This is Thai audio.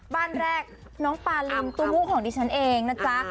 บ้านแรกน้องปาริมตู้มุของดิฉันเองนะจ๊ะ